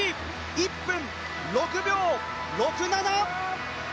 １分６秒６７。